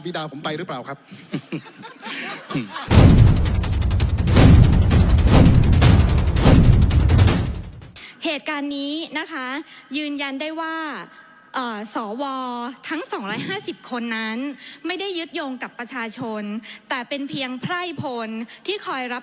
มันตายไปแล้วครับจะตายตามบีดาผมไปหรือเปล่าครับ